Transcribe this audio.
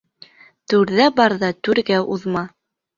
Түрә барҙа түргә уҙма...